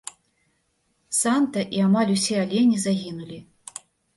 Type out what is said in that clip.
Санта і амаль усе алені загінулі.